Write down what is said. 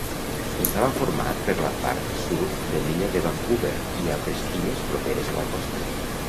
Estava format per la part sud de l'illa de Vancouver i altres illes properes a la costa.